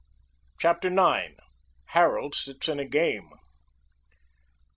CHAPTER IX. HAROLD SITS IN A GAME.